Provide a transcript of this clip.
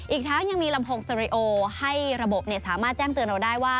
อีกทั้งยังมีลำโพงสริโอให้ระบบสามารถแจ้งเตือนเราได้ว่า